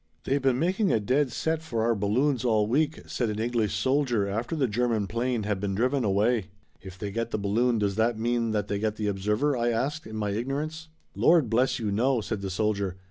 "They've been making a dead set for our balloons all week," said an English soldier after the German 'plane had been driven away. "If they get the balloon does that mean that they get the observer?" I asked in my ignorance. "Lord bless you no," said the soldier.